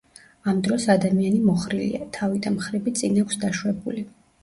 ამ დროს ადამიანი მოხრილია, თავი და მხრები წინ აქვს დაშვებული.